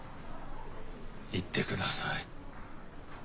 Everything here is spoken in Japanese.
行ってください。